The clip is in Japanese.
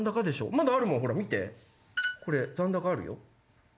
まだあるもんほら見てこれ残高あるよ。